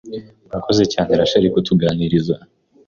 Urakoze cyane Rachel kutuganiriza